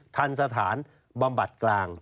ทันสถานบำบัดกลาง